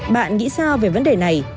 bạn nghĩ sao về vấn đề này